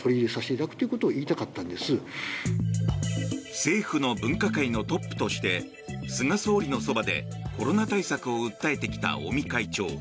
政府の分科会のトップとして菅総理のそばでコロナ対策を訴えてきた尾身会長。